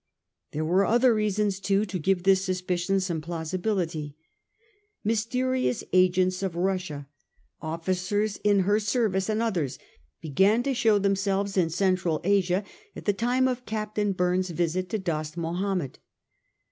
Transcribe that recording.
There were other reasons, too, to give this suspicion some plausibility. Mysterious agents of Russia, officers in her service and others, began to show themselves in Central Asia at the time of Cap tain Bumes's visit to Dost Mahomed.